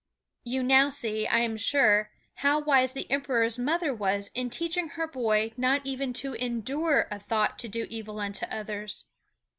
You now see, I am sure, how wise the Emperor's mother was in teaching her boy not even to endure a thought to do evil unto others.